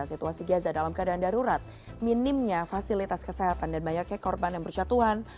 situasi gaza dalam keadaan darurat minimnya fasilitas kesehatan dan banyaknya korban yang berjatuhan